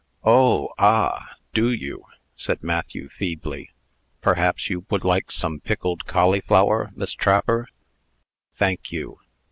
"Oh! ah! Do you?" said Matthew, feebly. "Perhaps you would like some pickled cauliflower, Miss Trapper?" "Thank you."